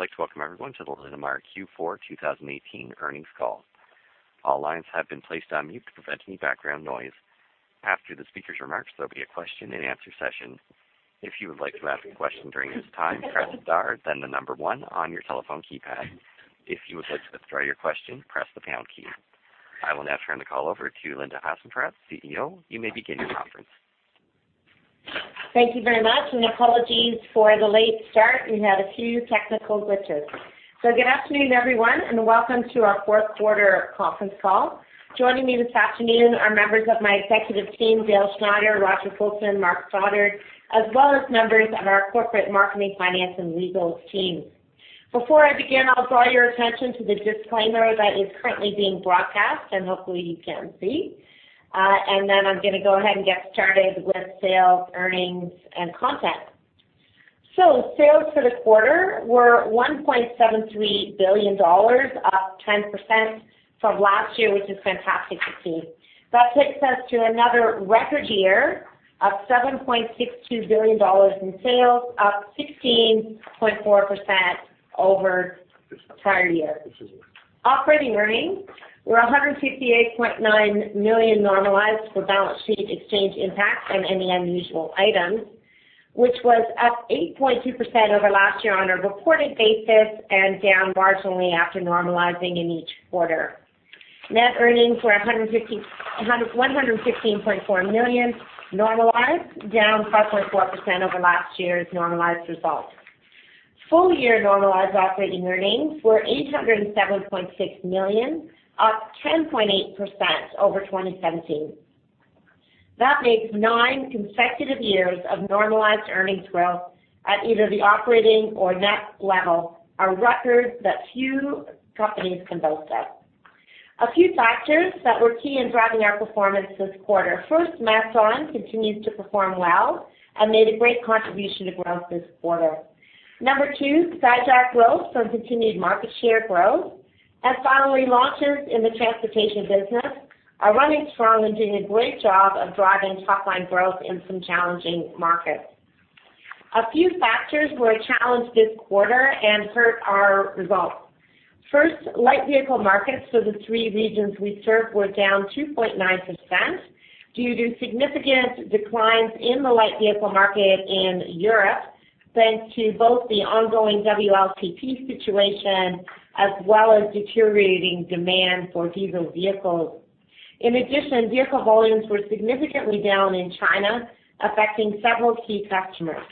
I would like to welcome everyone to the Linamar Q4 2018 earnings call. All lines have been placed on mute to prevent any background noise. After the speakers' remarks, there will be a question-and-answer session. If you would like to ask a question during this time, press star, then the number one on your telephone keypad. If you would like to withdraw your question, press the pound key. I will now turn the call over to Linda Hasenfratz, CEO. You may begin your conference. Thank you very much, and apologies for the late start. We had a few technical glitches. Good afternoon, everyone, and welcome to our fourth quarter conference call. Joining me this afternoon are members of my executive team, Dale Schneider, Roger Fulton, Mark Stoddart, as well as members of our corporate marketing, finance, and legal teams. Before I begin, I'll draw your attention to the disclaimer that is currently being broadcast, and hopefully you can see. Then I'm going to go ahead and get started with sales, earnings, and content. Sales for the quarter were $1.73 billion, up 10% from last year, which is fantastic to see. That takes us to another record year of 7.62 billion dollars in sales, up 16.4% over the prior year. Operating earnings were 158.9 million normalized for balance sheet exchange impact and any unusual items, which was up 8.2% over last year on a reported basis and down marginally after normalizing in each quarter. Net earnings were 115.4 million normalized, down 5.4% over last year's normalized result. Full-year normalized operating earnings were 807.6 million, up 10.8% over 2017. That makes nine consecutive years of normalized earnings growth at either the operating or net level, a record that few companies can boast of. A few factors that were key in driving our performance this quarter. First, MacDon continues to perform well and made a great contribution to growth this quarter. Number two, Skyjack growth from continued market share growth. And finally, launches in the transportation business are running strong and doing a great job of driving top-line growth in some challenging markets. A few factors were a challenge this quarter and hurt our results. First, light vehicle markets for the three regions we serve were down 2.9% due to significant declines in the light vehicle market in Europe, thanks to both the ongoing WLTP situation as well as deteriorating demand for diesel vehicles. In addition, vehicle volumes were significantly down in China, affecting several key customers.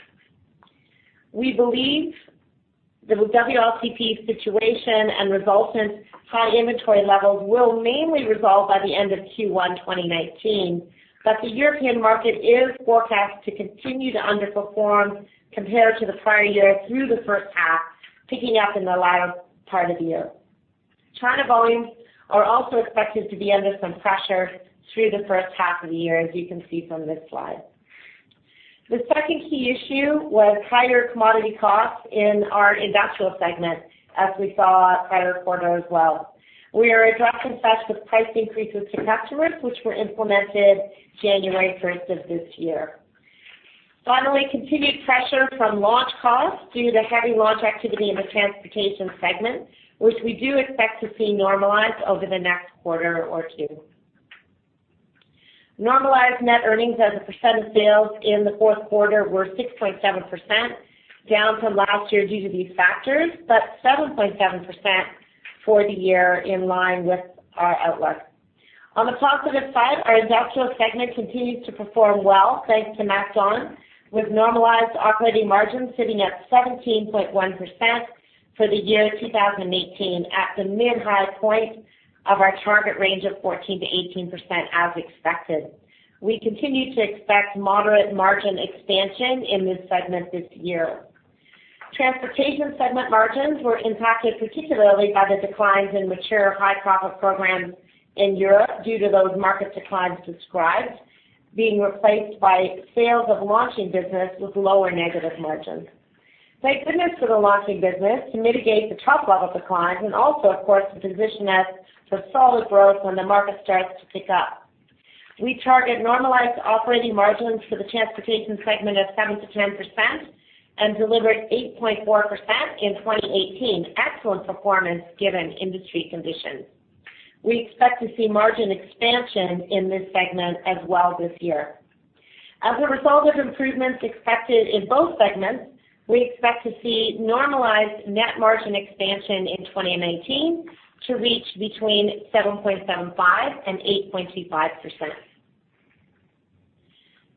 We believe the WLTP situation and resultant high inventory levels will mainly resolve by the end of Q1 2019, but the European market is forecast to continue to underperform compared to the prior year through the first half, picking up in the latter part of the year. China volumes are also expected to be under some pressure through the first half of the year, as you can see from this slide. The second key issue was higher commodity costs in our industrial segment, as we saw prior quarter as well. We are addressing such with price increases to customers, which were implemented January 1st of this year. Finally, continued pressure from launch costs due to heavy launch activity in the transportation segment, which we do expect to see normalize over the next quarter or two. Normalized net earnings as a percent of sales in the fourth quarter were 6.7%, down from last year due to these factors, but 7.7% for the year in line with our outlook. On the positive side, our industrial segment continues to perform well, thanks to MacDon, with normalized operating margins sitting at 17.1% for the year 2018 at the mid-high point of our target range of 14% to 18% as expected. We continue to expect moderate margin expansion in this segment this year. Transportation segment margins were impacted particularly by the declines in mature high-profit programs in Europe due to those market declines described, being replaced by sales of launching business with lower negative margins. Thank goodness for the launching business to mitigate the top-level declines and also, of course, to position us for solid growth when the market starts to pick up. We target normalized operating margins for the transportation segment of 7% to 10% and delivered 8.4% in 2018, excellent performance given industry conditions. We expect to see margin expansion in this segment as well this year. As a result of improvements expected in both segments, we expect to see normalized net margin expansion in 2019 to reach between 7.75% and 8.25%.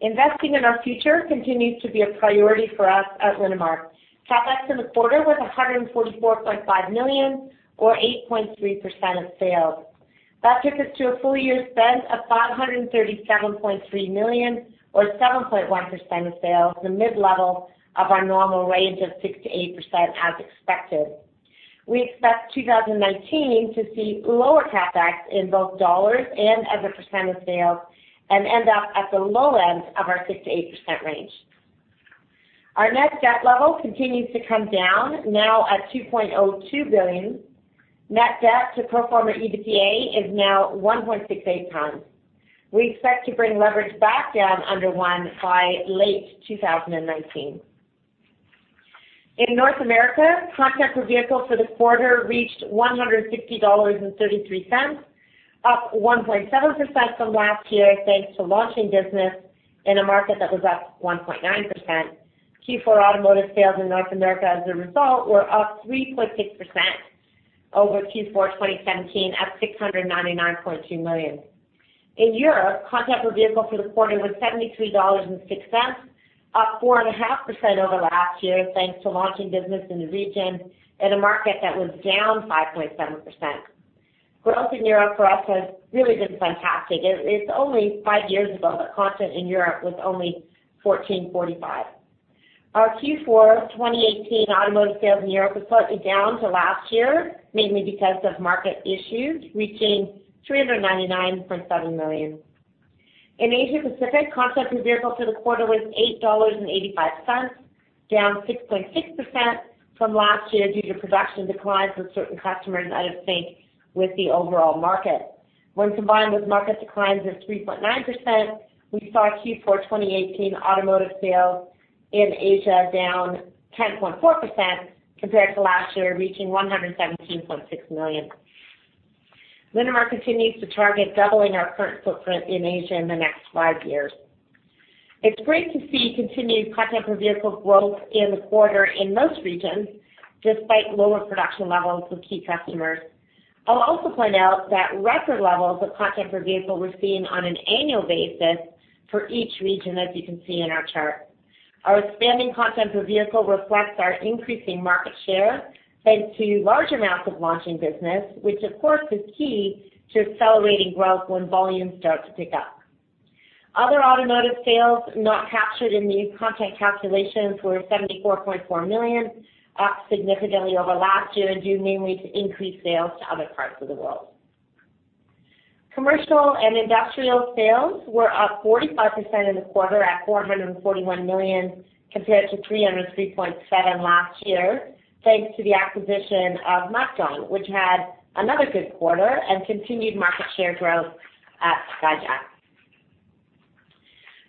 Investing in our future continues to be a priority for us at Linamar. CapEx in the quarter was $144.5 million, or 8.3% of sales. That took us to a full-year spend of $537.3 million, or 7.1% of sales, the mid-level of our normal range of 6% to 8% as expected. We expect 2019 to see lower CapEx in both dollars and as a percent of sales and end up at the low end of our 6% to 8% range. Our net debt level continues to come down, now at $2.02 billion. Net debt to pro forma EBITDA is now 1.68 times. We expect to bring leverage back down under one by late 2019. In North America, content per vehicle for the quarter reached $160.33, up 1.7% from last year thanks to launching business in a market that was up 1.9%. Q4 automotive sales in North America as a result were up 3.6% over Q4 2017, at $699.2 million. In Europe, content per vehicle for the quarter was $73.06, up 4.5% over last year thanks to launching business in the region in a market that was down 5.7%. Growth in Europe for us has really been fantastic. It's only five years ago that content in Europe was only $14.45. Our Q4 2018 automotive sales in Europe is slightly down to last year, mainly because of market issues, reaching $399.7 million. In Asia-Pacific, content per vehicle for the quarter was $8.85, down 6.6% from last year due to production declines with certain customers out of sync with the overall market. When combined with market declines of 3.9%, we saw Q4 2018 automotive sales in Asia down 10.4% compared to last year, reaching $117.6 million. Linamar continues to target doubling our current footprint in Asia in the next five years. It's great to see continued content per vehicle growth in the quarter in most regions, despite lower production levels with key customers. I'll also point out that record levels of content per vehicle we're seeing on an annual basis for each region, as you can see in our chart. Our expanding content per vehicle reflects our increasing market share, thanks to large amounts of launching business, which, of course, is key to accelerating growth when volumes start to pick up. Other automotive sales not captured in these content calculations were $74.4 million, up significantly over last year, due mainly to increased sales to other parts of the world. Commercial and industrial sales were up 45% in the quarter, at $441 million compared to $303.7 million last year, thanks to the acquisition of MacDon, which had another good quarter and continued market share growth at Skyjack.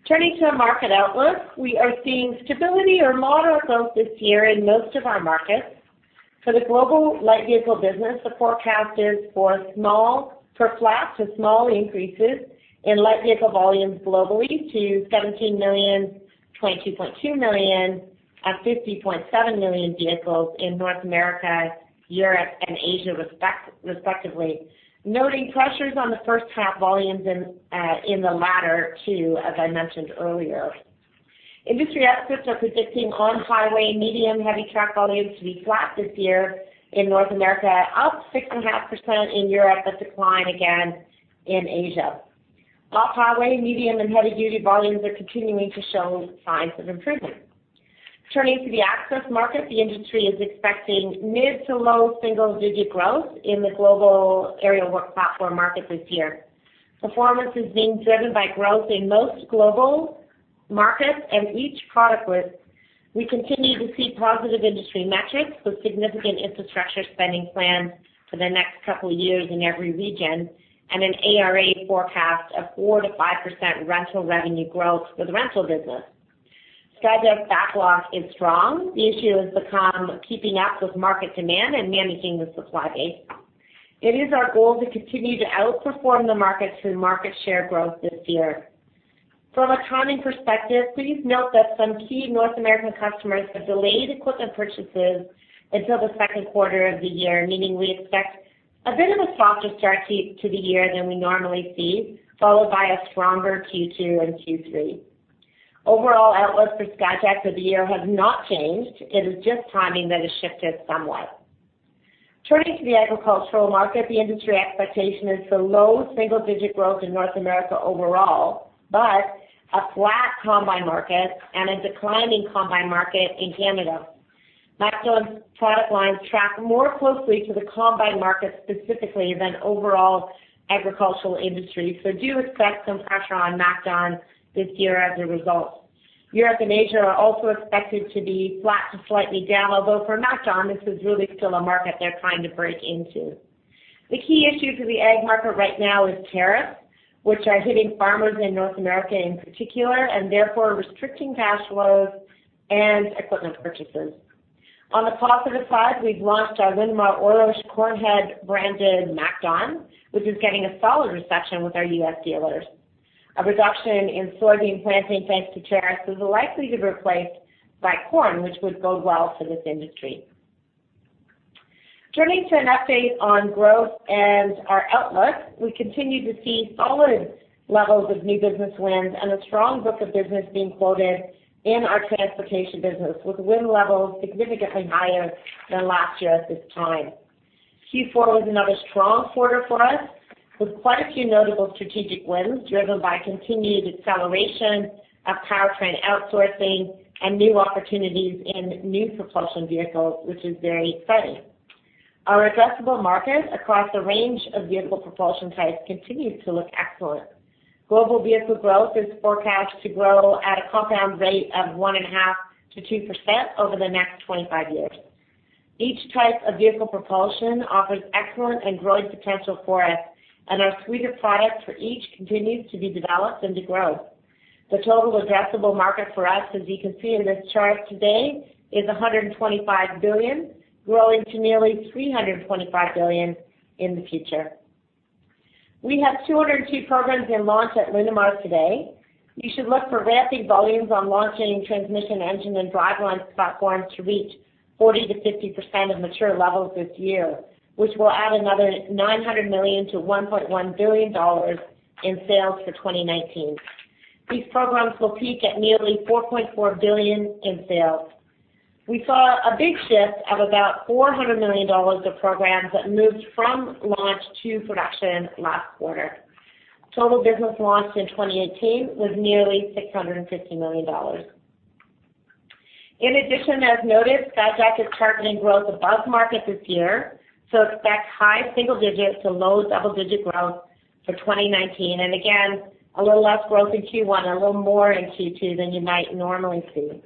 Turning to our market outlook, we are seeing stability or moderate growth this year in most of our markets. For the global light vehicle business, the forecast is for small or flat to small increases in light vehicle volumes globally to 17 million, 22.2 million, and 50.7 million vehicles in North America, Europe, and Asia respectively, noting pressures on the first half volumes in the latter two, as I mentioned earlier. Industry experts are predicting on-highway, medium, heavy truck volumes to be flat this year in North America, up 6.5% in Europe, but decline again in Asia. Off-highway, medium, and heavy-duty volumes are continuing to show signs of improvement. Turning to the access market, the industry is expecting mid- to low-single-digit growth in the global aerial work platform market this year. Performance is being driven by growth in most global markets and each product line. We continue to see positive industry metrics with significant infrastructure spending plans for the next couple of years in every region and an ARA forecast of 4% to 5% rental revenue growth for the rental business. Skyjack's backlog is strong. The issue has become keeping up with market demand and managing the supply base. It is our goal to continue to outperform the market through market share growth this year. From a timing perspective, please note that some key North American customers have delayed equipment purchases until the second quarter of the year, meaning we expect a bit of a softer start to the year than we normally see, followed by a stronger Q2 and Q3. Overall outlook for Skyjack for the year has not changed. It is just timing that has shifted somewhat. Turning to the agricultural market, the industry expectation is for low single-digit growth in North America overall, but a flat combine market and a declining combine market in Canada. MacDon's product lines track more closely to the combine market specifically than overall agricultural industry, so do expect some pressure on MacDon this year as a result. Europe and Asia are also expected to be flat to slightly down, although for MacDon, this is really still a market they're trying to break into. The key issue for the ag market right now is tariffs, which are hitting farmers in North America in particular and therefore restricting cash flows and equipment purchases. On the positive side, we've launched our Oros corn head branded MacDon, which is getting a solid reception with our U.S. dealers. A reduction in soybean planting, thanks to tariffs, is likely to be replaced by corn, which would go well for this industry. Turning to an update on growth and our outlook, we continue to see solid levels of new business wins and a strong book of business being quoted in our transportation business, with win levels significantly higher than last year at this time. Q4 was another strong quarter for us, with quite a few notable strategic wins driven by continued acceleration of powertrain outsourcing and new opportunities in new propulsion vehicles, which is very exciting. Our addressable market across a range of vehicle propulsion types continues to look excellent. Global vehicle growth is forecast to grow at a compound rate of 1.5% to 2% over the next 25 years. Each type of vehicle propulsion offers excellent and growing potential for us, and our suite of products for each continues to be developed and to grow. The total addressable market for us, as you can see in this chart today, is $125 billion, growing to nearly $325 billion in the future. We have 202 programs in launch at Linamar today. You should look for ramping volumes on launching transmission engine and drivelines platforms to reach 40% to 50% of mature levels this year, which will add another $900 million to $1.1 billion in sales for 2019. These programs will peak at nearly $4.4 billion in sales. We saw a big shift of about $400 million of programs that moved from launch to production last quarter. Total business launched in 2018 was nearly $650 million. In addition, as noted, Skyjack is targeting growth above market this year, so expect high single-digit to low double-digit growth for 2019. And again, a little less growth in Q1 and a little more in Q2 than you might normally see.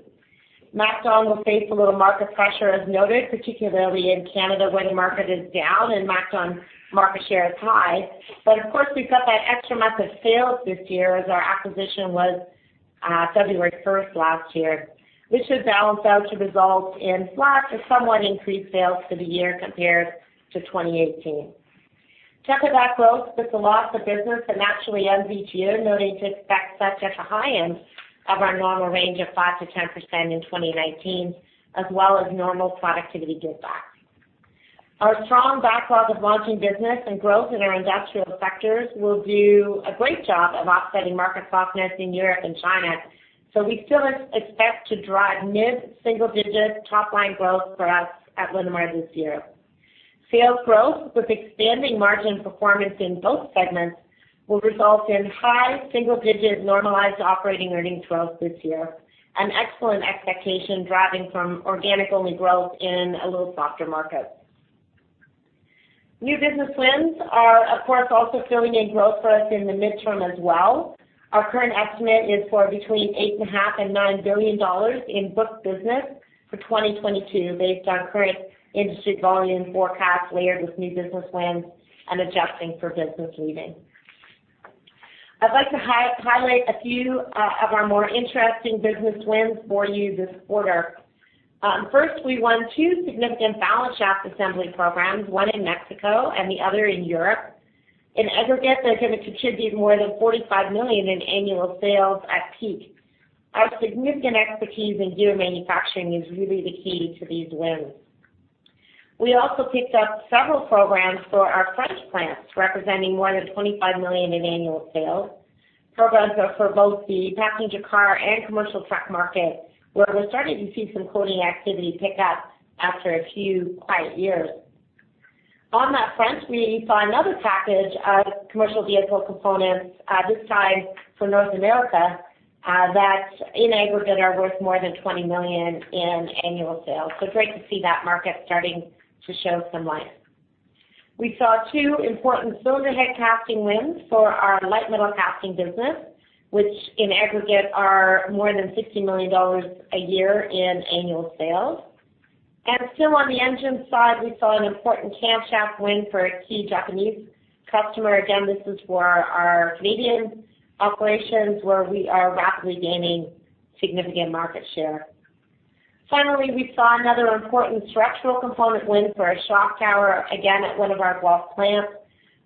MacDon will face a little market pressure, as noted, particularly in Canada where the market is down and MacDon market share is high. But of course, we've got that extra month of sales this year as our acquisition was February 1 last year, which should balance out to result in flat to somewhat increased sales for the year compared to 2018. Temper that growth with the loss of business that naturally ends each year, noting to expect such at the high end of our normal range of 5% to 10% in 2019, as well as normal productivity give back. Our strong backlog of launching business and growth in our industrial sectors will do a great job of offsetting market softness in Europe and China, so we still expect to drive mid-single-digit top-line growth for us at Linamar this year. Sales growth with expanding margin performance in both segments will result in high single-digit normalized operating earnings growth this year, an excellent expectation driving from organic-only growth in a little softer market. New business wins are, of course, also filling in growth for us in the midterm as well. Our current estimate is for between $8.5 billion to $9 billion in book business for 2022, based on current industry volume forecasts layered with new business wins and adjusting for business leaving. I'd like to highlight a few of our more interesting business wins for you this quarter. First, we won two significant balance shaft assembly programs, one in Mexico and the other in Europe. In aggregate, they're going to contribute more than $45 million in annual sales at peak. Our significant expertise in gear manufacturing is really the key to these wins. We also picked up several programs for our French plants, representing more than $25 million in annual sales. Programs are for both the passenger car and commercial truck market, where we're starting to see some quoting activity pick up after a few quiet years. On that front, we saw another package of commercial vehicle components, this time for North America, that in aggregate are worth more than $20 million in annual sales. So great to see that market starting to show some life. We saw two important cylinder head casting wins for our light metal casting business, which in aggregate are more than $60 million a year in annual sales. Still on the engine side, we saw an important camshaft win for a key Japanese customer. Again, this is for our Canadian operations, where we are rapidly gaining significant market share. Finally, we saw another important structural component win for a shock tower, again at one of our Guelph plants.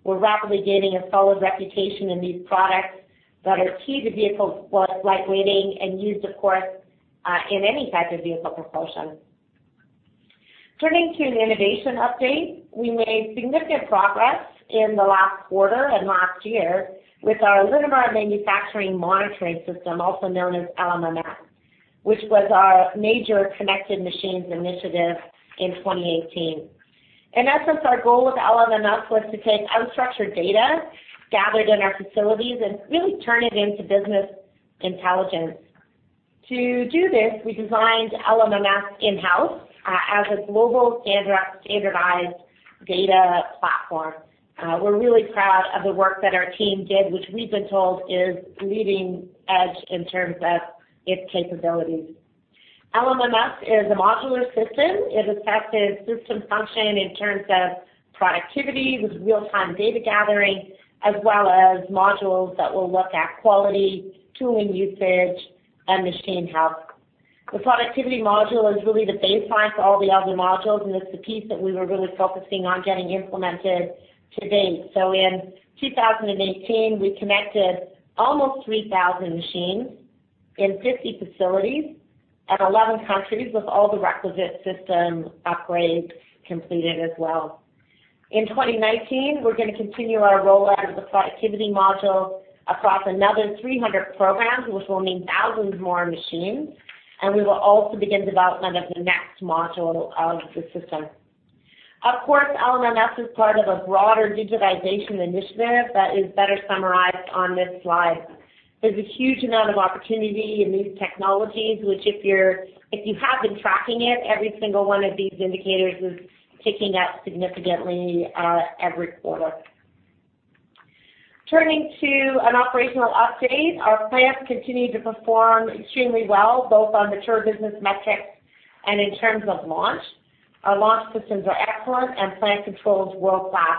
We're rapidly gaining a solid reputation in these products that are key to vehicle lightweighting and used, of course, in any type of vehicle propulsion. Turning to an innovation update, we made significant progress in the last quarter and last year with our Linamar Manufacturing Monitoring System, also known as LMMS, which was our major connected machines initiative in 2018. In essence, our goal with LMMS was to take unstructured data gathered in our facilities and really turn it into business intelligence. To do this, we designed LMMS in-house as a global standardized data platform. We're really proud of the work that our team did, which we've been told is leading edge in terms of its capabilities. LMMS is a modular system. It assesses system function in terms of productivity with real-time data gathering, as well as modules that will look at quality, tooling usage, and machine health. The productivity module is really the baseline for all the other modules, and it's the piece that we were really focusing on getting implemented to date. So in 2018, we connected almost 3,000 machines in 50 facilities and 11 countries with all the requisite system upgrades completed as well. In 2019, we're going to continue our rollout of the productivity module across another 300 programs, which will mean thousands more machines, and we will also begin development of the next module of the system. Of course, LMMS is part of a broader digitization initiative that is better summarized on this slide. There's a huge amount of opportunity in these technologies, which if you have been tracking it, every single one of these indicators is ticking up significantly every quarter. Turning to an operational update, our plants continue to perform extremely well, both on mature business metrics and in terms of launch. Our launch systems are excellent and plant controls world-class.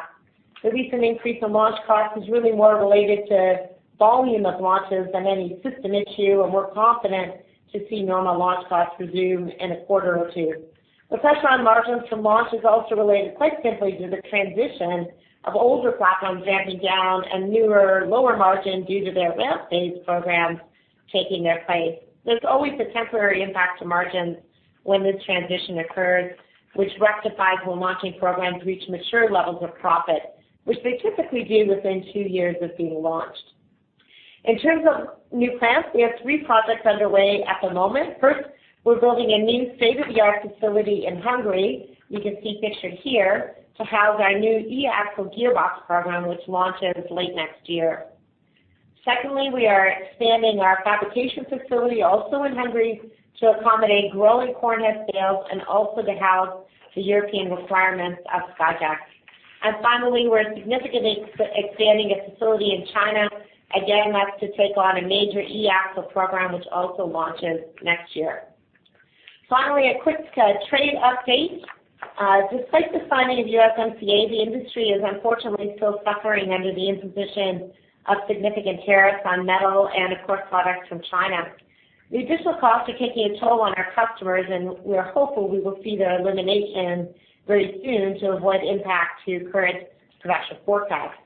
The recent increase in launch costs is really more related to volume of launches than any system issue, and we're confident to see normal launch costs resume in a quarter or two. The pressure on margins from launch is also related quite simply to the transition of older platforms ramping down and newer lower margin due to their ramp phase programs taking their place. There's always a temporary impact to margins when this transition occurs, which rectifies when launching programs reach mature levels of profit, which they typically do within two years of being launched. In terms of new plants, we have three projects underway at the moment. First, we're building a new state-of-the-art facility in Hungary, you can see pictured here, to house our new eAxle gearbox program, which launches late next year. Secondly, we are expanding our fabrication facility also in Hungary to accommodate growing corn head sales and also to house the European requirements of Skyjack. And finally, we're significantly expanding a facility in China, again that's to take on a major eAxle program, which also launches next year. Finally, a quick trade update. Despite the signing of USMCA, the industry is unfortunately still suffering under the imposition of significant tariffs on metal and, of course, products from China. The additional costs are taking a toll on our customers, and we're hopeful we will see their elimination very soon to avoid impact to current production forecasts.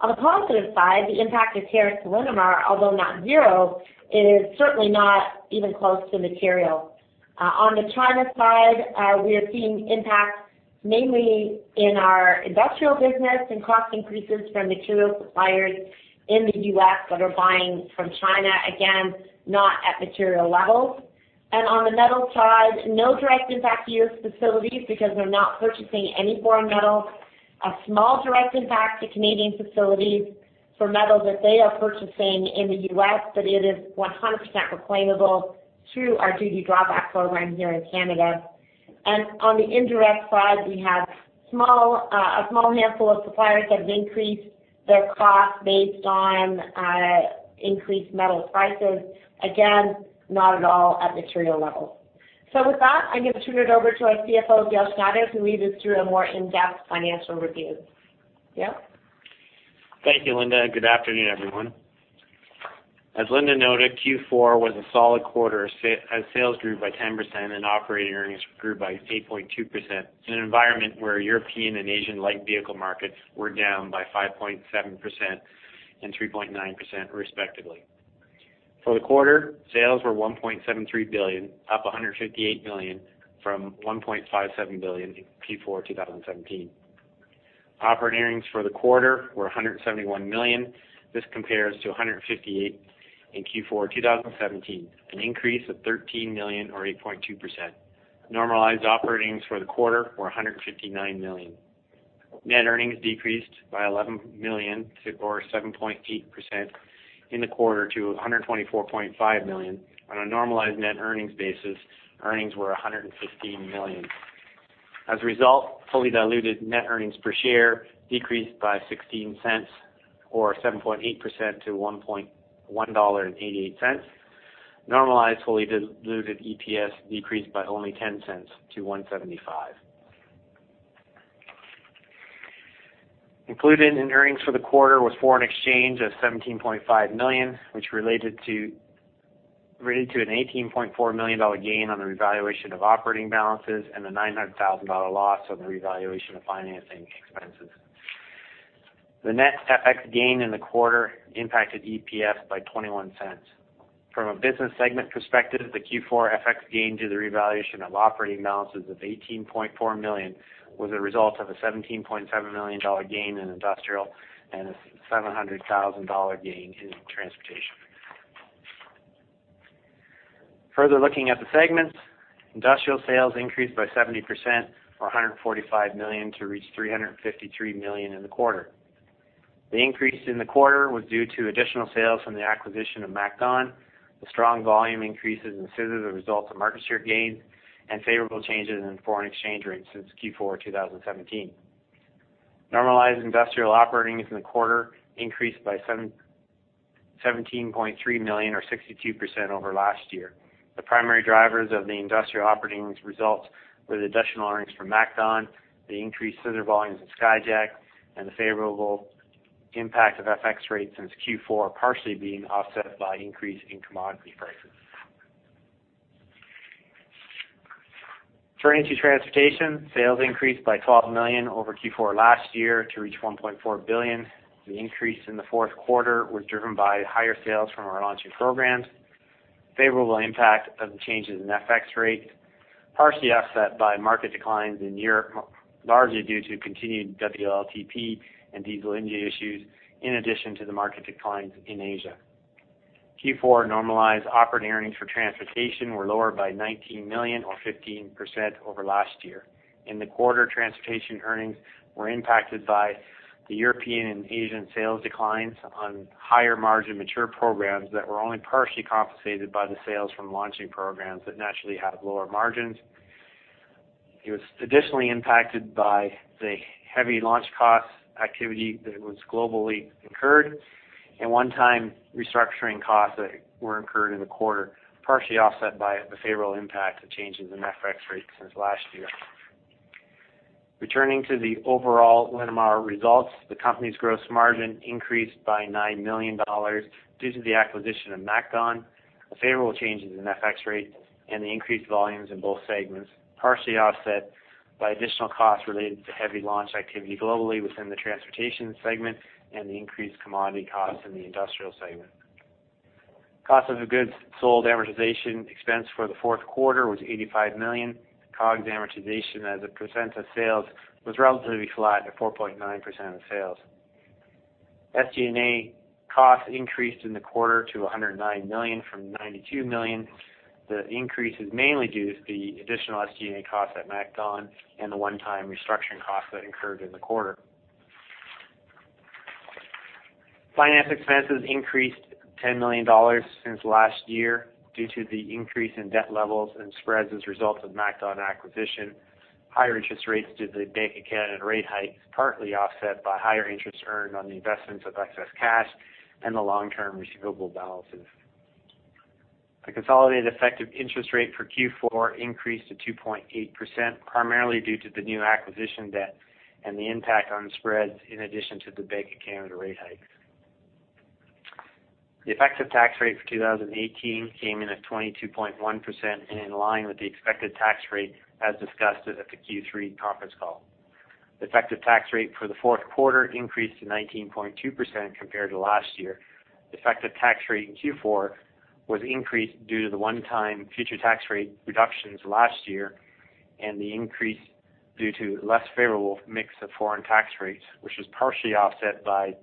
On the positive side, the impact of tariffs to Linamar, although not zero, is certainly not even close to material. On the China side, we are seeing impact mainly in our industrial business and cost increases from material suppliers in the U.S. that are buying from China, again not at material levels. And on the metal side, no direct impact to U.S. facilities because they're not purchasing any foreign metal. A small direct impact to Canadian facilities for metal that they are purchasing in the U.S., but it is 100% reclaimable through our duty drawback program here in Canada. On the indirect side, we have a small handful of suppliers that have increased their costs based on increased metal prices, again not at all at material levels. With that, I'm going to turn it over to our CFO, Dale Schneider, who will lead us through a more in-depth financial review. Yeah? Thank you, Linda. Good afternoon, everyone. As Linda noted, Q4 was a solid quarter as sales grew by 10% and operating earnings grew by 8.2% in an environment where European and Asian light vehicle markets were down by 5.7% and 3.9% respectively. For the quarter, sales were 1.73 billion, up 158 million from 1.57 billion in Q4 2017. Operating earnings for the quarter were 171 million. This compares to $158 million in Q4 2017, an increase of $13 million, or 8.2%. Normalized operating earnings for the quarter were $159 million. Net earnings decreased by $11 million, or 7.8%, in the quarter to $124.5 million. On a normalized net earnings basis, earnings were $115 million. As a result, fully diluted net earnings per share decreased by $0.16, or 7.8%, to $1.18. Normalized fully diluted EPS decreased by only $0.10, to $1.75. Included in earnings for the quarter was foreign exchange of $17.5 million, which related to an $18.4 million gain on the revaluation of operating balances and a $900,000 loss on the revaluation of financing expenses. The net FX gain in the quarter impacted EPS by $0.21. From a business segment perspective, the Q4 FX gain due to the revaluation of operating balances of $18.4 million was a result of a $17.7 million gain in industrial and a $700,000 gain in transportation. Further looking at the segments, industrial sales increased by 70%, or $145 million, to reach $353 million in the quarter. The increase in the quarter was due to additional sales from the acquisition of MacDon, the strong volume increases in scissors as a result of market share gains, and favorable changes in foreign exchange rates since Q4 2017. Normalized industrial operating earnings in the quarter increased by $17.3 million, or 62%, over last year. The primary drivers of the industrial operating results were the additional earnings from MacDon, the increased scissor volumes of Skyjack, and the favorable impact of FX rates since Q4 partially being offset by increase in commodity prices. Turning to transportation, sales increased by 12 million over Q4 last year to reach 1.4 billion. The increase in the fourth quarter was driven by higher sales from our launching programs, favorable impact of the changes in FX rate, partially offset by market declines in Europe, largely due to continued WLTP and diesel inventory issues, in addition to the market declines in Asia. Q4 normalized operating earnings for transportation were lower by 19 million, or 15%, over last year. In the quarter, transportation earnings were impacted by the European and Asian sales declines on higher margin mature programs that were only partially compensated by the sales from launching programs that naturally have lower margins. It was additionally impacted by the heavy launch cost activity that was globally incurred and one-time restructuring costs that were incurred in the quarter, partially offset by the favorable impact of changes in FX rates since last year. Returning to the overall Linamar results, the company's gross margin increased by $9 million due to the acquisition of MacDon, the favorable changes in FX rate, and the increased volumes in both segments, partially offset by additional costs related to heavy launch activity globally within the transportation segment and the increased commodity costs in the industrial segment. Cost of goods sold amortization expense for the fourth quarter was $85 million. COGS amortization as a percent of sales was relatively flat at 4.9% of sales. SG&A costs increased in the quarter to $109 million from $92 million. The increase is mainly due to the additional SG&A costs at MacDon and the one-time restructuring costs that incurred in the quarter. Finance expenses increased $10 million since last year due to the increase in debt levels and spreads as a result of MacDon acquisition. Higher interest rates due to the Bank of Canada and rate hikes partly offset by higher interest earned on the investments of excess cash and the long-term receivable balances. The consolidated effective interest rate for Q4 increased to 2.8%, primarily due to the new acquisition debt and the impact on spreads in addition to the Bank of Canada and rate hikes. The effective tax rate for 2018 came in at 22.1% and in line with the expected tax rate as discussed at the Q3 conference call. The effective tax rate for the fourth quarter increased to 19.2% compared to last year. The effective tax rate in Q4 was increased due to the one-time future tax rate reductions last year and the increase due to less favorable mix of foreign tax rates, which was partially offset by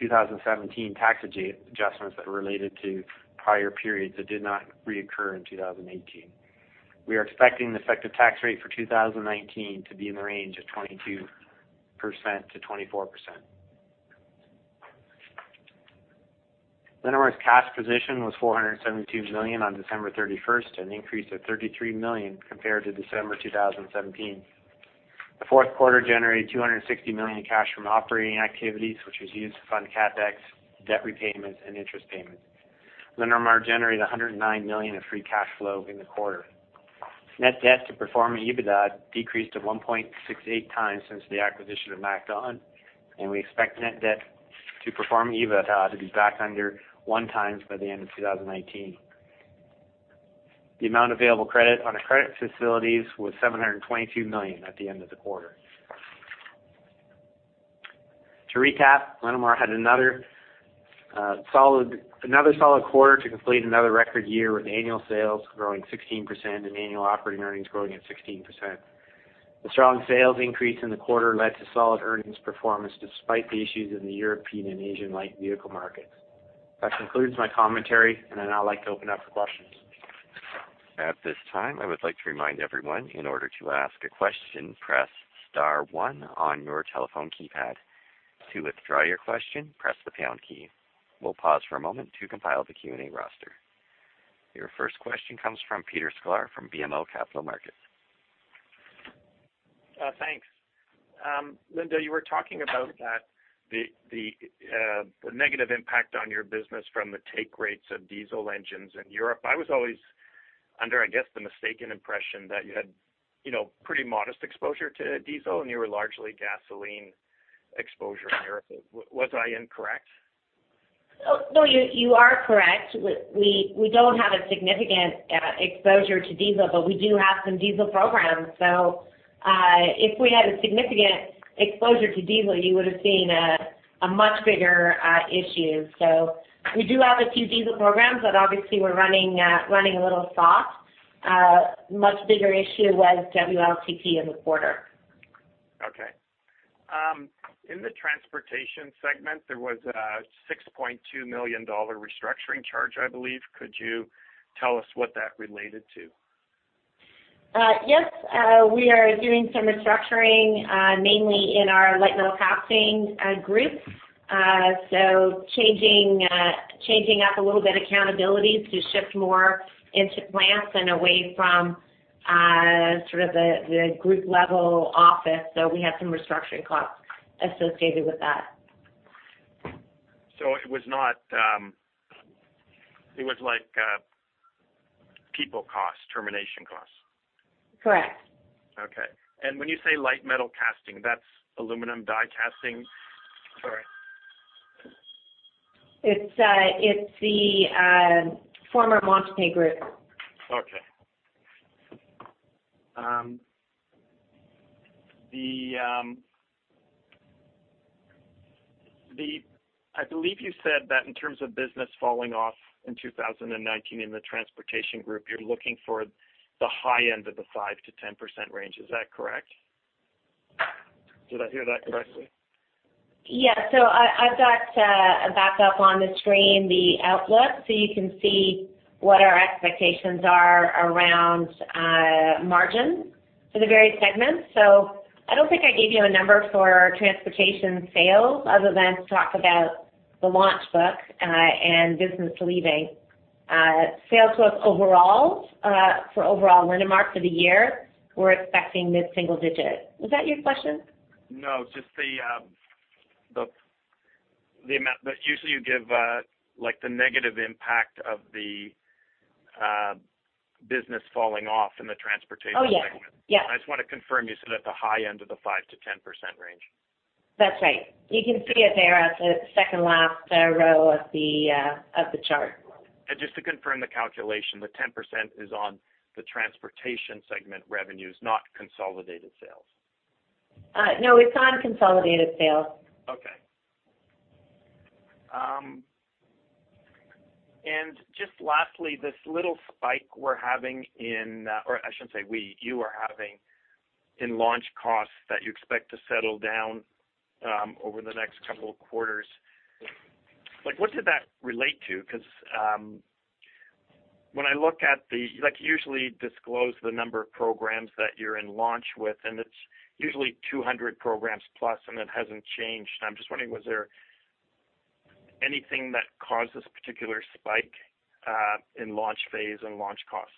2017 tax adjustments that related to prior periods that did not reoccur in 2018. We are expecting the effective tax rate for 2019 to be in the range of 22% to 24%. Linamar's cash position was $472 million on December 31st and an increase of $33 million compared to December 2017. The fourth quarter generated $260 million in cash from operating activities, which was used to fund CapEx, debt repayments, and interest payments. Linamar generated $109 million of free cash flow in the quarter. Net debt to EBITDA decreased to 1.68 times since the acquisition of MacDon, and we expect net debt to EBITDA to be back under one times by the end of 2019. The amount available credit on our credit facilities was $722 million at the end of the quarter. To recap, Linamar had another solid quarter to complete another record year with annual sales growing 16% and annual operating earnings growing at 16%. The strong sales increase in the quarter led to solid earnings performance despite the issues in the European and Asian light vehicle markets. That concludes my commentary, and I now like to open up for questions. At this time, I would like to remind everyone, in order to ask a question, press star one on your telephone keypad. To withdraw your question, press the pound key. We'll pause for a moment to compile the Q&A roster. Your first question comes from Peter Sklar from BMO Capital Markets. Thanks. Linda, you were talking about the negative impact on your business from the take rates of diesel engines in Europe. I was always under, I guess, the mistaken impression that you had pretty modest exposure to diesel and you were largely gasoline exposure in Europe. Was I incorrect? No, you are correct. We don't have a significant exposure to diesel, but we do have some diesel programs. So if we had a significant exposure to diesel, you would have seen a much bigger issue. So we do have a few diesel programs that obviously we're running a little soft. Much bigger issue was WLTP in the quarter. Okay. In the transportation segment, there was a $6.2 million restructuring charge, I believe. Could you tell us what that related to? Yes. We are doing some restructuring, mainly in our Light Metal Casting group. So changing up a little bit accountabilities to shift more into plants and away from sort of the group level office. So we had some restructuring costs associated with that. So it was like people costs, termination costs? Correct. Okay. And when you say Light Metal Casting, that's aluminum die casting? Sorry. It's the former Montupet. Okay. I believe you said that in terms of business falling off in 2019 in the transportation group, you're looking for the high end of the 5% to 10% range. Is that correct? Did I hear that correctly? Yeah. So I've got a backup on the screen, the outlook, so you can see what our expectations are around margin for the various segments. So I don't think I gave you a number for transportation sales other than to talk about the launch book and business leaving. Sales book overall for overall Linamar for the year, we're expecting mid-single digit. Was that your question? No, just the amount that usually you give, like the negative impact of the business falling off in the transportation segment. Oh, yeah. Yeah. I just want to confirm you said at the high end of the 5% to 10% range. That's right. You can see it there at the second last row of the chart. Just to confirm the calculation, the 10% is on the transportation segment revenues, not consolidated sales? No, it's on consolidated sales. Okay. And just lastly, this little spike we're having in, or I shouldn't say we, you are having in launch costs that you expect to settle down over the next couple of quarters. What did that relate to? Because when I look at the, like you usually disclose the number of programs that you're in launch with, and it's usually 200 programs plus, and it hasn't changed. I'm just wondering, was there anything that caused this particular spike in launch phase and launch costs?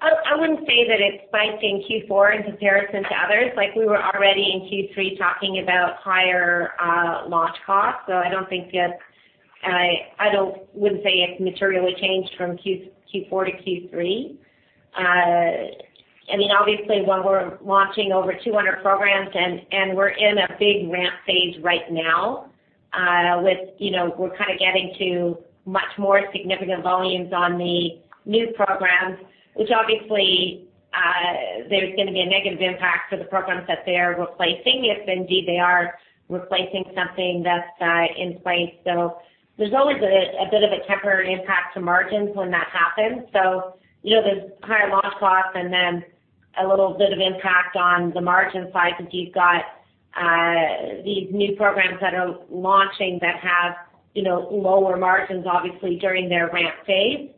I wouldn't say that it's spiked in Q4 in comparison to others. Like we were already in Q3 talking about higher launch costs. So I don't think that I wouldn't say it's materially changed from Q4 to Q3. I mean, obviously, while we're launching over 200 programs and we're in a big ramp phase right now with, we're kind of getting to much more significant volumes on the new programs, which obviously there's going to be a negative impact for the programs that they're replacing if indeed they are replacing something that's in place. So there's always a bit of a temporary impact to margins when that happens. So there's higher launch costs and then a little bit of impact on the margin size if you've got these new programs that are launching that have lower margins, obviously, during their ramp phase.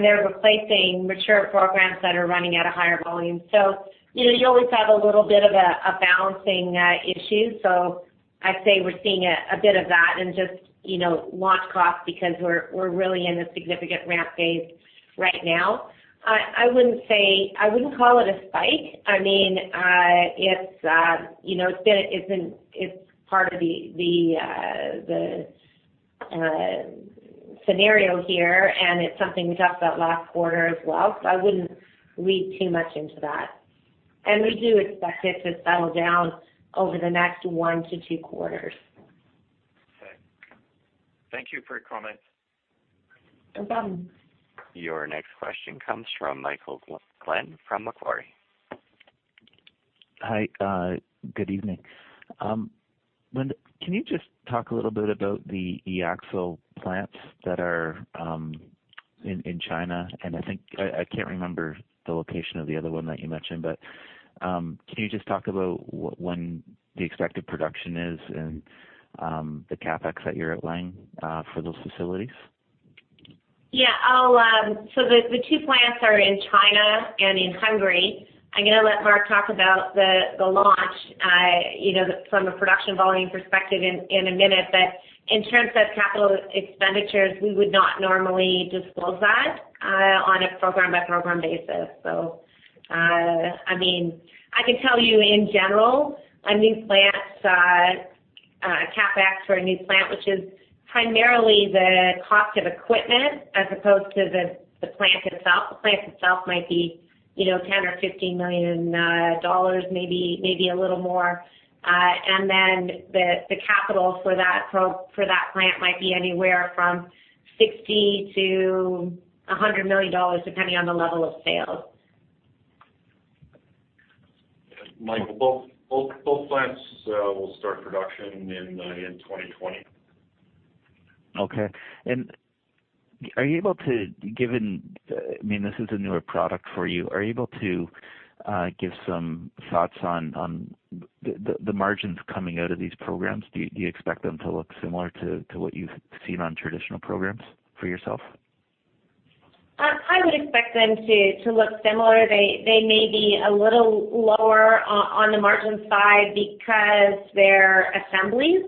They're replacing mature programs that are running at a higher volume. So you always have a little bit of a balancing issue. So I'd say we're seeing a bit of that and just launch costs because we're really in a significant ramp phase right now. I wouldn't say I wouldn't call it a spike. I mean, it's been, it's part of the scenario here, and it's something we talked about last quarter as well. So I wouldn't lead too much into that. And we do expect it to settle down over the next one to two quarters. Okay. Thank you for your comments. No problem. Your next question comes from Michael Glen from Macquarie. Hi. Good evening. Linda, can you just talk a little bit about the eAxle plants that are in China? And I think I can't remember the location of the other one that you mentioned, but can you just talk about when the expected production is and the CapEx that you're outlining for those facilities? Yeah. So the two plants are in China and in Hungary. I'm going to let Mark talk about the launch from a production volume perspective in a minute. But in terms of capital expenditures, we would not normally disclose that on a program-by-program basis. So I mean, I can tell you in general a new plant's CapEx for a new plant, which is primarily the cost of equipment as opposed to the plant itself. The plant itself might be $10 million or $15 million, maybe a little more. And then the capital for that plant might be anywhere from $60 million to $100 million, depending on the level of sales. Michael, both plants will start production in 2020. Okay. Are you able to, given I mean, this is a newer product for you? Are you able to give some thoughts on the margins coming out of these programs? Do you expect them to look similar to what you've seen on traditional programs for yourself? I would expect them to look similar. They may be a little lower on the margin side because they're assemblies.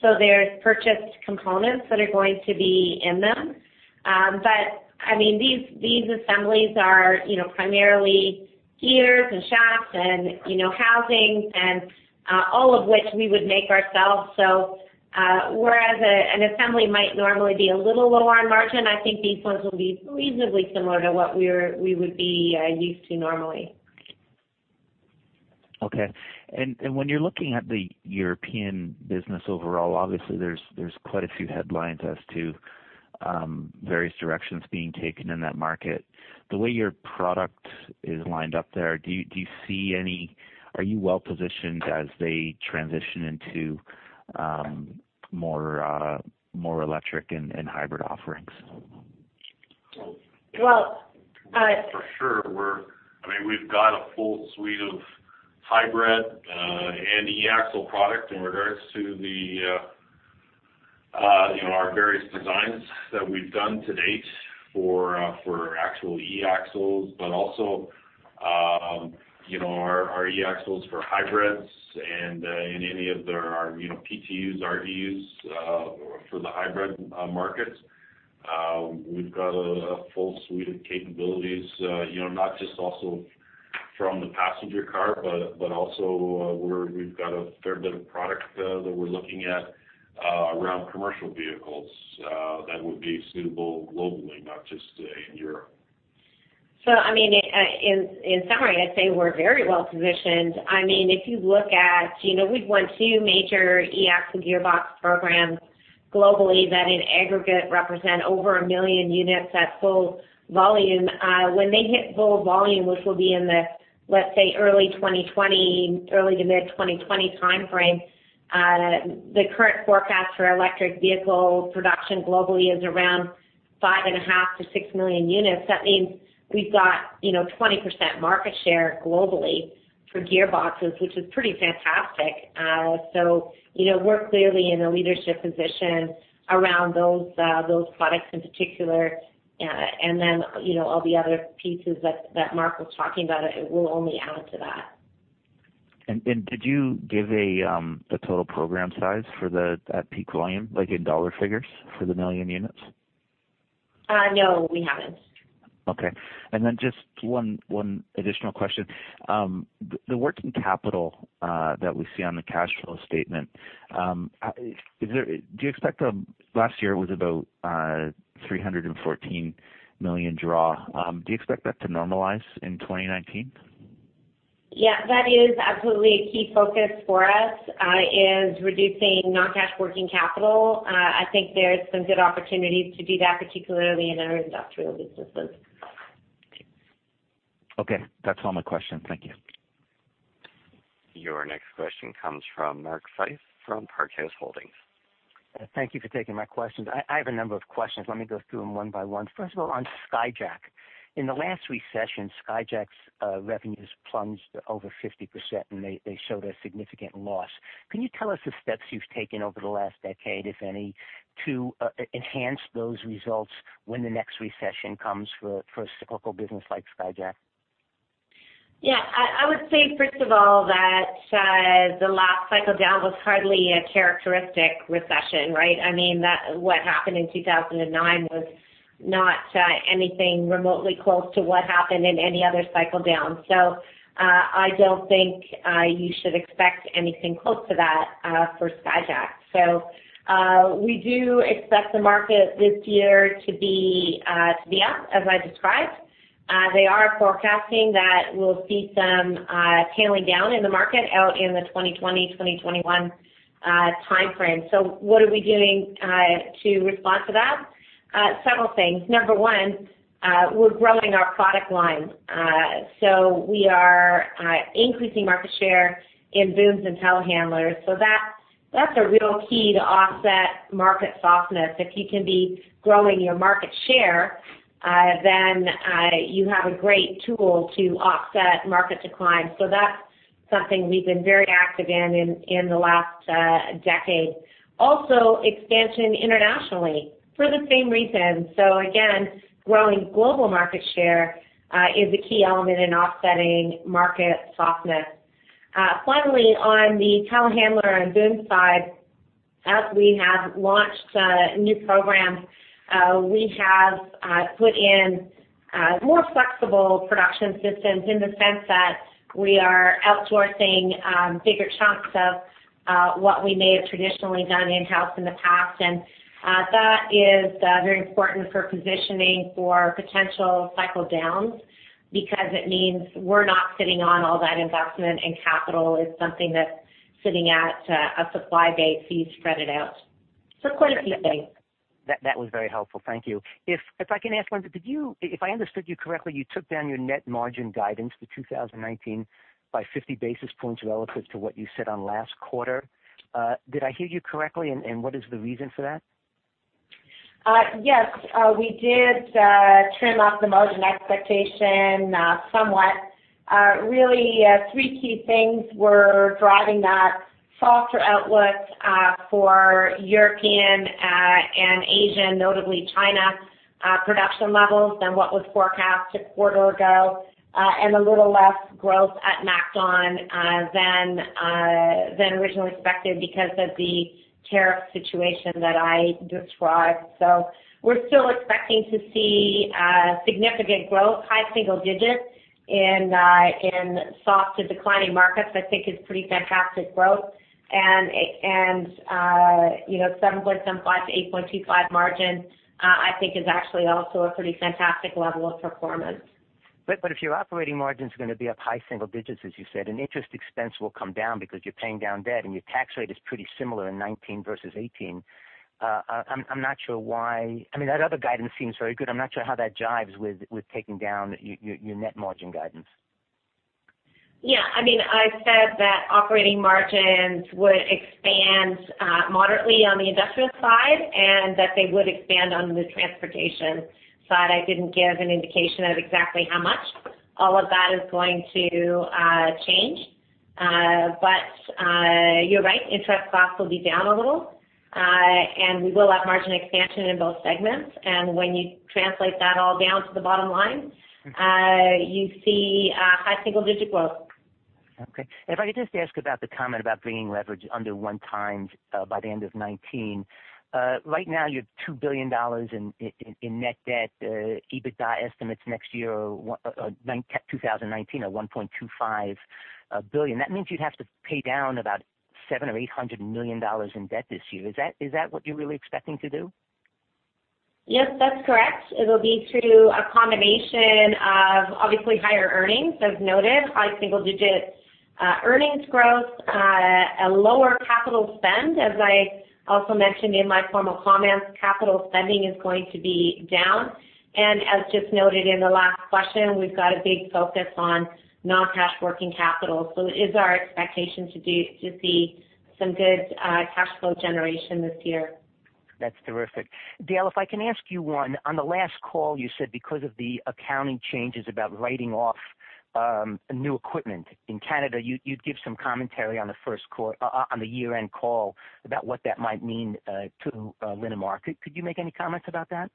So there's purchased components that are going to be in them. But I mean, these assemblies are primarily gears and shafts and housings, and all of which we would make ourselves. So whereas an assembly might normally be a little lower on margin, I think these ones will be reasonably similar to what we would be used to normally. Okay. And when you're looking at the European business overall, obviously, there's quite a few headlines as to various directions being taken in that market. The way your product is lined up there, do you see any? Are you well positioned as they transition into more electric and hybrid offerings? Well. For sure. I mean, we've got a full suite of hybrid and eAxle product in regards to our various designs that we've done to date for actual eAxles, but also our eAxles for hybrids and in any of our PTUs, RDUs for the hybrid markets. We've got a full suite of capabilities, not just also from the passenger car, but also we've got a fair bit of product that we're looking at around commercial vehicles that would be suitable globally, not just in Europe. So I mean, in summary, I'd say we're very well positioned. I mean, if you look at we've won two major eAxle gearbox programs globally that in aggregate represent over 1 million units at full volume. When they hit full volume, which will be in the, let's say, early 2020, early to mid-2020 timeframe, the current forecast for electric vehicle production globally is around 5.5 million to 6 million units. That means we've got 20% market share globally for gearboxes, which is pretty fantastic. So we're clearly in a leadership position around those products in particular. And then all the other pieces that Mark was talking about, it will only add to that. Did you give the total program size for that peak volume, like in dollar figures for the 1 million units? No, we haven't. Okay. Then just one additional question. The working capital that we see on the cash flow statement, do you expect the last year was about 314 million draw. Do you expect that to normalize in 2019? Yeah. That is absolutely a key focus for us, is reducing non-cash working capital. I think there's some good opportunities to do that, particularly in our industrial businesses. Okay. That's all my questions. Thank you. Your next question comes from Mark Seiff from Parkhouse Holdings. Thank you for taking my questions. I have a number of questions. Let me go through them one by one. First of all, on Skyjack. In the last recession, Skyjack's revenues plunged over 50%, and they showed a significant loss. Can you tell us the steps you've taken over the last decade, if any, to enhance those results when the next recession comes for a cyclical business like Skyjack? Yeah. I would say, first of all, that the last cycle down was hardly a characteristic recession, right? I mean, what happened in 2009 was not anything remotely close to what happened in any other cycle down. So I don't think you should expect anything close to that for Skyjack. So we do expect the market this year to be up, as I described. They are forecasting that we'll see some tailing down in the market out in the 2020, 2021 timeframe. So what are we doing to respond to that? Several things. Number one, we're growing our product line. So we are increasing market share in booms and telehandlers. So that's a real key to offset market softness. If you can be growing your market share, then you have a great tool to offset market decline. So that's something we've been very active in in the last decade. Also, expansion internationally for the same reasons. So again, growing global market share is a key element in offsetting market softness. Finally, on the telehandler and boom side, as we have launched new programs, we have put in more flexible production systems in the sense that we are outsourcing bigger chunks of what we may have traditionally done in-house in the past. And that is very important for positioning for potential cycle downs because it means we're not sitting on all that investment and capital as something that's sitting at a supply base to be spread it out. So quite a few things. That was very helpful. Thank you. If I can ask one, did you, if I understood you correctly, you took down your net margin guidance for 2019 by 50 basis points relative to what you said on last quarter? Did I hear you correctly? And what is the reason for that? Yes. We did trim up the margin expectation somewhat. Really, three key things were driving that softer outlook for European and Asian, notably China production levels than what was forecast a quarter ago, and a little less growth at MacDon than originally expected because of the tariff situation that I described. So we're still expecting to see significant growth, high single digit in soft to declining markets, I think is pretty fantastic growth. And 7.75-8.25 margin, I think, is actually also a pretty fantastic level of performance. But if your operating margin is going to be up high single digits, as you said, and interest expense will come down because you're paying down debt and your tax rate is pretty similar in 2019 versus 2018, I'm not sure why I mean, that other guidance seems very good. I'm not sure how that jives with taking down your net margin guidance. Yeah. I mean, I said that operating margins would expand moderately on the industrial side and that they would expand on the transportation side. I didn't give an indication of exactly how much. All of that is going to change. But you're right. Interest costs will be down a little. And we will have margin expansion in both segments. And when you translate that all down to the bottom line, you see high single digit growth. Okay. If I could just ask about the comment about bringing leverage under one times by the end of 2019. Right now, you have $2 billion in net debt. EBITDA estimates next year are 2019 at 1.25 billion. That means you'd have to pay down about $700 million to $800 million in debt this year. Is that what you're really expecting to do? Yes, that's correct. It'll be through a combination of obviously higher earnings, as noted, high single-digit earnings growth, a lower capital spend. As I also mentioned in my formal comments, capital spending is going to be down. As just noted in the last question, we've got a big focus on non-cash working capital. It is our expectation to see some good cash flow generation this year. That's terrific. Dale, if I can ask you one, on the last call, you said because of the accounting changes about writing off new equipment in Canada, you'd give some commentary on the first quarter, on the year-end call, about what that might mean to Linamar. Could you make any comments about that?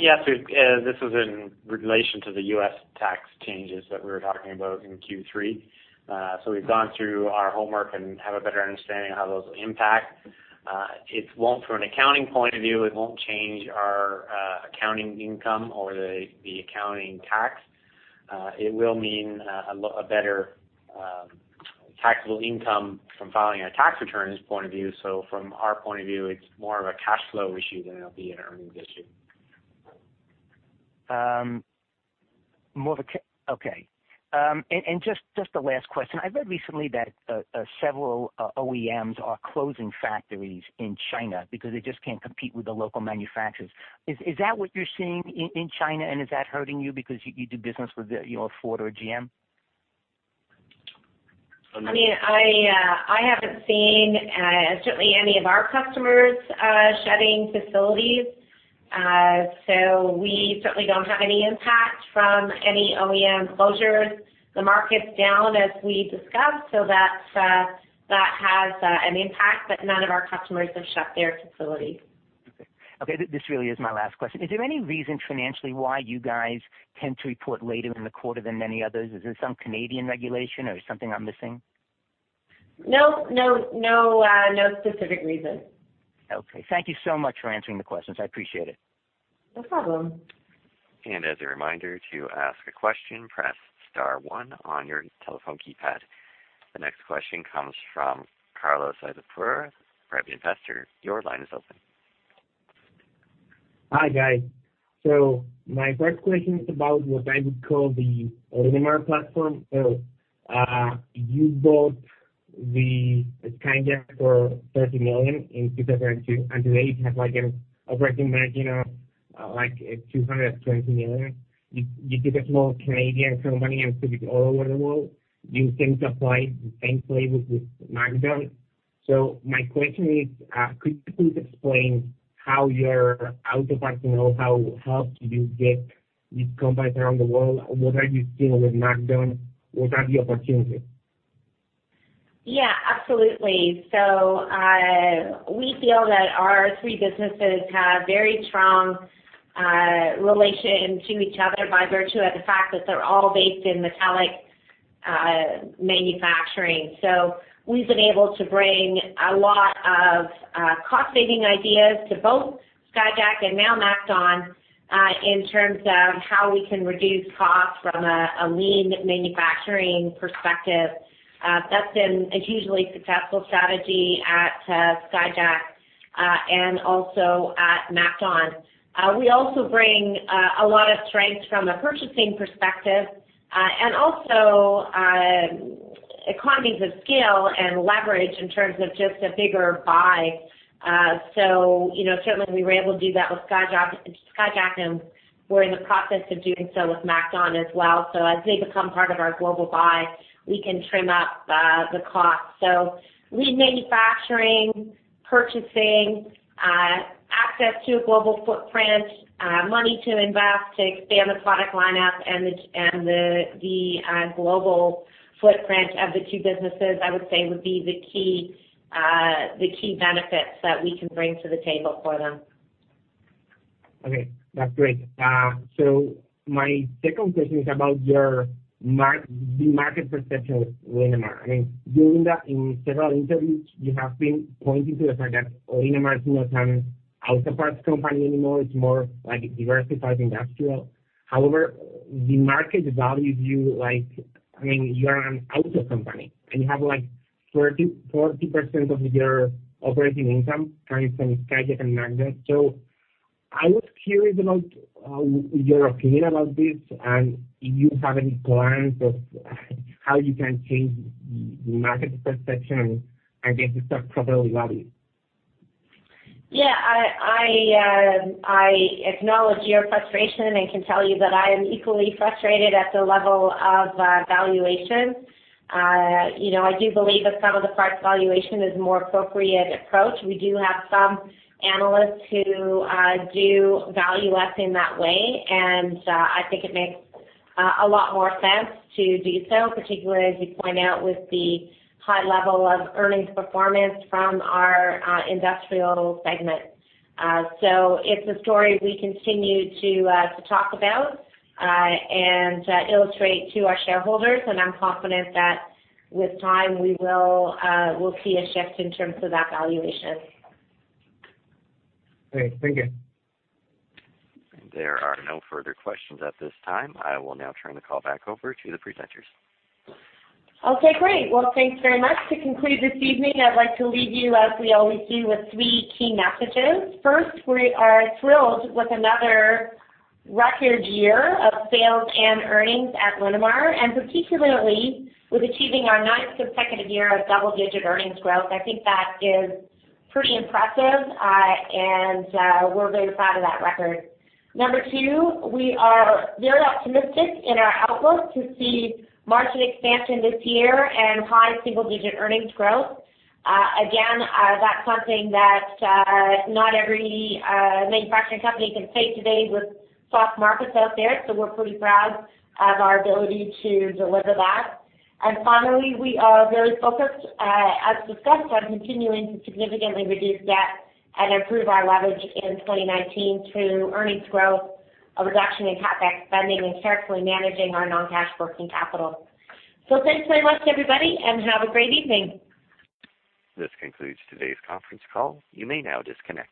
Yes. This was in relation to the U.S. tax changes that we were talking about in Q3. We've gone through our homework and have a better understanding of how those will impact. It won't, from an accounting point of view, it won't change our accounting income or the accounting tax. It will mean a better taxable income from filing a tax return point of view. From our point of view, it's more of a cash flow issue than it'll be an earnings issue. Okay. And just the last question. I read recently that several OEMs are closing factories in China because they just can't compete with the local manufacturers. Is that what you're seeing in China? And is that hurting you because you do business with Ford or GM? I mean, I haven't seen certainly any of our customers shutting facilities. So we certainly don't have any impact from any OEM closures. The market's down, as we discussed, so that has an impact, but none of our customers have shut their facilities. Okay. This really is my last question. Is there any reason financially why you guys tend to report later in the quarter than many others? Is there some Canadian regulation or something I'm missing? No. No. No specific reason. Okay. Thank you so much for answering the questions. I appreciate it. No problem. As a reminder, to ask a question, press star one on your telephone keypad. The next question comes from Carlos Isapour, private investor. Your line is open. Hi, guys. So my first question is about what I would call the Linamar platform. So you bought the Skyjack for $30 million in 2022, and today it has like an operating margin of like $220 million. You did a small Canadian company and took it all over the world. You seem to apply the same playbook with MacDon. So my question is, could you please explain how your auto market know how helped you get these companies around the world? What are you seeing with MacDon? What are the opportunities? Yeah, absolutely. So we feel that our three businesses have very strong relation to each other by virtue of the fact that they're all based in metallic manufacturing. So we've been able to bring a lot of cost-saving ideas to both Skyjack and now MacDon in terms of how we can reduce costs from a lean manufacturing perspective. That's been a hugely successful strategy at Skyjack and also at MacDon. We also bring a lot of strength from a purchasing perspective and also economies of scale and leverage in terms of just a bigger buy. So certainly, we were able to do that with Skyjack, and we're in the process of doing so with MacDon as well. So as they become part of our global buy, we can trim up the costs. So lean manufacturing, purchasing, access to a global footprint, money to invest to expand the product lineup, and the global footprint of the two businesses, I would say, would be the key benefits that we can bring to the table for them. Okay. That's great. So my second question is about the market perception of Linamar. I mean, during that, in several interviews, you have been pointing to the fact that Linamar is not an auto market company anymore. It's more like a diversified industrial. However, the market values you like, I mean, you are an auto market company, and you have like 40% of your operating income coming from Skyjack and MacDon. So I was curious about your opinion about this, and if you have any plans of how you can change the market perception and get the stock properly valued. Yeah. I acknowledge your frustration and can tell you that I am equally frustrated at the level of valuation. I do believe that sum of the parts valuation is a more appropriate approach. We do have some analysts who do value us in that way, and I think it makes a lot more sense to do so, particularly as you point out with the high level of earnings performance from our industrial segment. So it's a story we continue to talk about and illustrate to our shareholders. And I'm confident that with time, we will see a shift in terms of that valuation. Great. Thank you. And there are no further questions at this time. I will now turn the call back over to the presenters. Okay. Great. Well, thanks very much. To conclude this evening, I'd like to leave you, as we always do, with three key messages. First, we are thrilled with another record year of sales and earnings at Linamar, and particularly with achieving our ninth consecutive year of double-digit earnings growth. I think that is pretty impressive, and we're very proud of that record. Number two, we are very optimistic in our outlook to see margin expansion this year and high single-digit earnings growth. Again, that's something that not every manufacturing company can say today with soft markets out there. So we're pretty proud of our ability to deliver that. And finally, we are very focused, as discussed, on continuing to significantly reduce debt and improve our leverage in 2019 through earnings growth, a reduction in CapEx spending, and carefully managing our non-cash working capital. Thanks very much, everybody, and have a great evening. This concludes today's conference call. You may now disconnect.